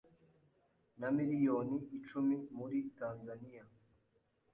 na miliyoni icumi muri Tanzania